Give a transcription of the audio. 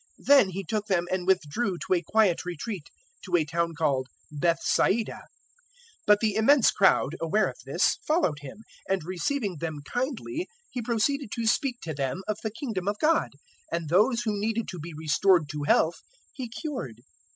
Then He took them and withdrew to a quiet retreat, to a town called Bethsaida. 009:011 But the immense crowd, aware of this, followed Him; and receiving them kindly He proceeded to speak to them of the Kingdom of God, and those who needed to be restored to health, He cured.